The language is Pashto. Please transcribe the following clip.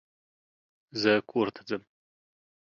زه کورته ځم